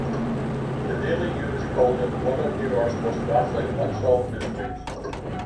The "Daily News" called it "one of New York’s most baffling unsolved mysteries".